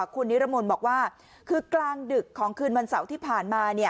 คุณนิรมนต์บอกว่าคือกลางดึกของคืนวันเสาร์ที่ผ่านมา